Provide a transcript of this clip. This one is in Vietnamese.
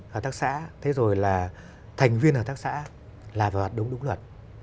hợp tác xã thế rồi là thành viên hợp tác xã là phải hoạt động đúng luật